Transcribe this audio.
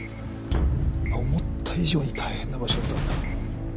思った以上に大変な場所だったんだ。